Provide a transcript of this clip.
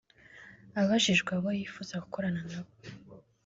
Abajijwe abo yifuza gukorana nabo